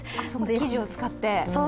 生地を使って。